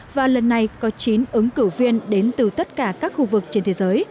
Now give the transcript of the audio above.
và lần này có chín ứng cử viên đến từ tất cả các khu vực trên thế giới